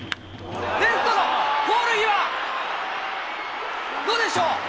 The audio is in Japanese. レフトのポール際、どうでしょう？